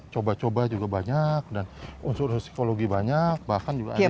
coba coba juga banyak dan unsur unsur psikologi banyak bahkan juga ada